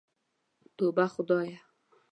توبه خدايه.